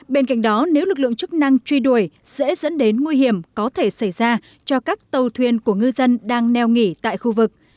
bên cạnh đó nếu lực lượng chức năng truy đuổi sẽ dẫn đến nguy hiểm có thể xảy ra cho các tàu thuyền của ngư dân đang neo nghỉ tại khu vực